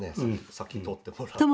先に撮ってもらって。